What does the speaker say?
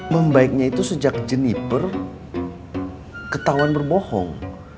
membaiknya itu sejak jeniper ketahuan berbohong